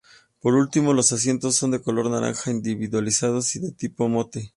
Por último, los asientos son de color naranja, individualizados y de tipo "Motte".